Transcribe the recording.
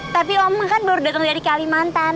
tapi oma kan belur belur dari kalimantan